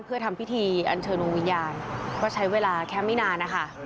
เพื่อทำพิธีอันเชิญดวงวิญญาณก็ใช้เวลาแค่ไม่นานนะคะ